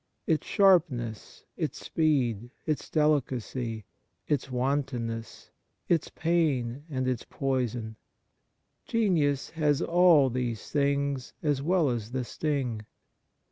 Its sharpness, its speed, its delicacy, its wantonness, its pain and its poison, genius has all these things as well as the sting.